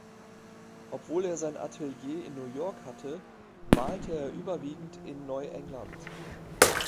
Obwohl er sein Atelier in New York hatte, malte er überwiegend in Neu-England.